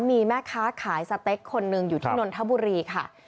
มีแม่ค้าขายสเต็กคนหนึ่งอยู่ที่นนทบุรีค่ะ